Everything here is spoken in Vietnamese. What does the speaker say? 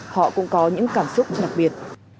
họ cũng có những cảm xúc đặc biệt